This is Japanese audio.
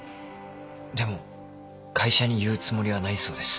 でも会社に言うつもりはないそうです。